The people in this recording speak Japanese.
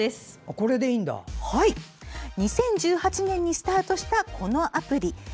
２０１８年にスタートしたこのアプリ。